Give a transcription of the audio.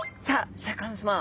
シャーク香音さま